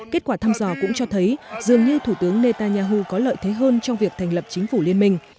kết quả thăm dò cũng cho thấy dường như thủ tướng netanyahu có lợi thế hơn trong việc thành lập chính phủ liên minh